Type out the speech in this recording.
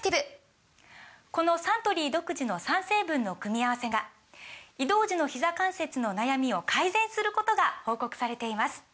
このサントリー独自の３成分の組み合わせが移動時のひざ関節の悩みを改善することが報告されています